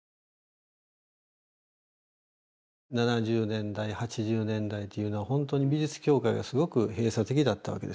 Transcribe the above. ７０年代８０年代というのはほんとに美術業界がすごく閉鎖的だったわけですよね。